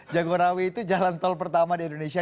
jagorawi itu jalan tol pertama di indonesia